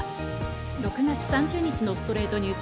６月３０日、水曜日の『ストレイトニュース』。